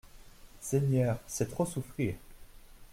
Seigneur, c'est trop souffrir.